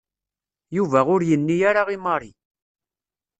Yuba ur yenni ara i Mary.